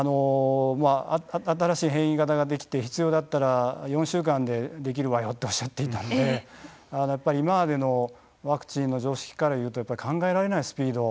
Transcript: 新しい変異型ができて必要だったら４週間でできるわよっておっしゃっていたんでやっぱり今までのワクチンの常識から言うとやっぱり考えられないスピード。